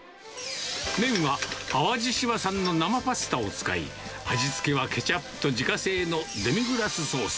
麺は淡路島産の生パスタを使い、味付けはケチャップと自家製のデミグラスソース。